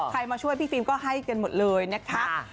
มาช่วยพี่ฟิล์มก็ให้กันหมดเลยนะคะ